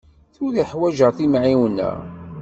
Tura i ḥwaǧeɣ timεiwna.